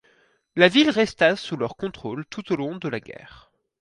La ville resta sous leur contrôle tout au long de la guerre.